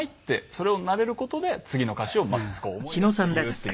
それを慣れる事で次の歌詞を思い出して言うっていうね。